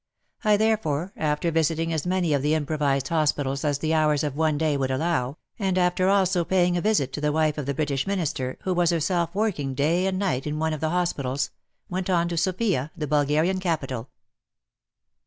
I therefore — after visiting as many of the improvized hospitals as the hours of one day would allow, and after also paying a visit to the wife of the British Minister, who was herself working day and night in one of the hospitals — went on to Sofia, the Bulgarian capital.